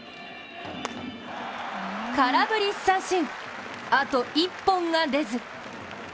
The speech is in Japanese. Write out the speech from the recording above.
空振り三振、あと一本が出ず。